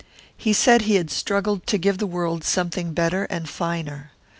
He said he had struggled to give the world something better and finer.